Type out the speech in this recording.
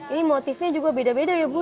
ini motifnya juga beda beda ya bu